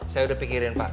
saya udah pikirin pak